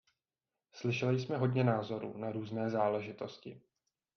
Slyšeli jsme hodně názorů na různé záležitosti.